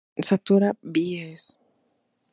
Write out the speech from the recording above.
Satura, Bs.